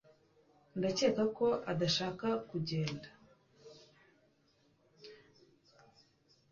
Ndakeka ko adashaka kugenda.